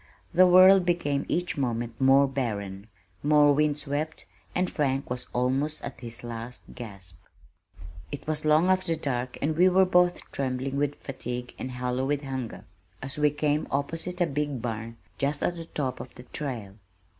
The world became each moment more barren, more wind swept and Frank was almost at his last gasp. It was long after dark, and we were both trembling with fatigue and hollow with hunger as we came opposite a big barn just at the top of the trail.